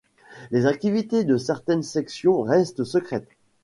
Les activités de certaines sections restent secrètes.